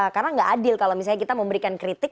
karena gak adil kalau misalnya kita memberikan kritik